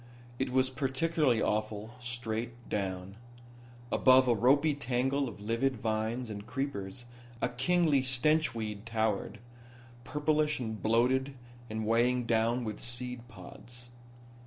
It was particularly awful straight down. Above a ropy tangle of livid vines and creepers a kingly stench weed towered, purplish and bloated and weighted down with seed pods.